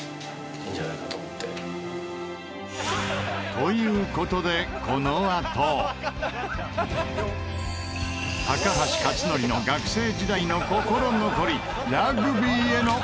という事で高橋克典の学生時代の心残りラグビーへの恩返し。